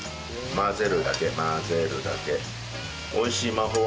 混ぜるだけ混ぜるだけ。